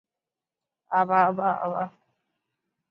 高茎毛兰为兰科毛兰属下的一个种。